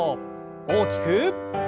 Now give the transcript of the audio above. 大きく。